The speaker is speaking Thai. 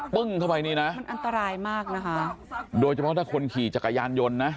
ปึ้งทั้งไปนี้นะเยี่ยมมากนะครับโดยสิ่งที่จะขี่จากกระยานยนต์นะ